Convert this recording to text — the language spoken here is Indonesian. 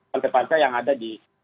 partai partai yang ada di